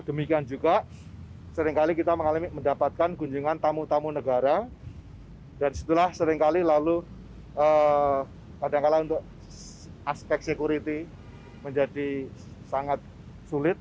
demikian juga seringkali kita mengalami mendapatkan kunjungan tamu tamu negara dan setelah seringkali lalu kadangkala untuk aspek security menjadi sangat sulit